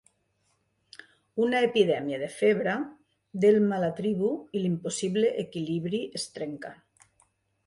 Una epidèmia de febre delma la tribu i l'impossible equilibri es trenca.